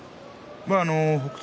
北勝